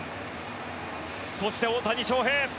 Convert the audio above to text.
そして、大谷翔平。